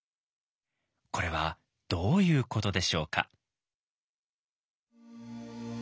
これはどういうことでしょうか？